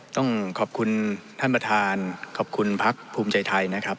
ต้องขอบคุณท่านประธานขอบคุณพักภูมิใจไทยนะครับ